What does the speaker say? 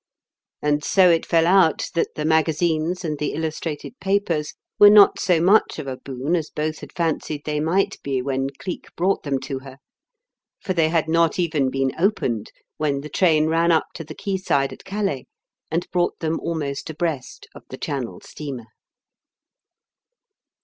And so it fell out that the magazines and the illustrated papers were not so much of a boon as both had fancied they might be when Cleek brought them to her; for they had not even been opened when the train ran up to the quay side at Calais and brought them almost abreast of the channel steamer.